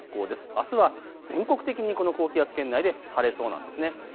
あすは全国的にこの高気圧圏内で晴れそうなんですね。